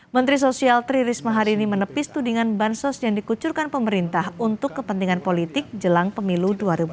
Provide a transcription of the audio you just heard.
menteri sosial tri risma hari ini menepis tudingan bansos yang dikucurkan pemerintah untuk kepentingan politik jelang pemilu dua ribu dua puluh